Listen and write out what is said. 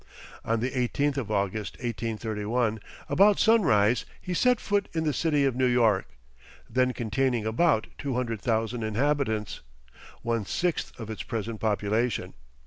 On the 18th of August, 1831, about sunrise, he set foot in the city of New York, then containing about two hundred thousand inhabitants, one sixth of its present population.